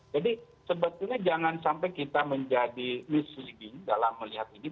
jadi sebetulnya jangan sampai kita menjadi misligi dalam melihat ini